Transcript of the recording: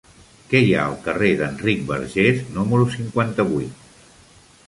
Què hi ha al carrer d'Enric Bargés número cinquanta-vuit?